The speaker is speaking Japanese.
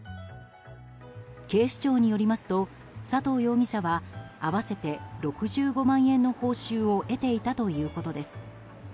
警視庁によりますと佐藤容疑者は合わせて６５万円の報酬を得ていたということです。